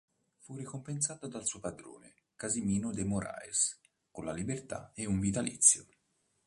Fu ricompensata dal suo padrone, Casimiro de Moraes, con la libertà e un vitalizio.